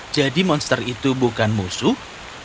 jadi monster itu bukan musuh